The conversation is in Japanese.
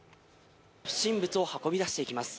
不審物を運び出していきます。